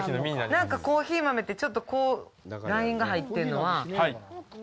なんかコーヒー豆ってちょっとこうラインが入ってるのは？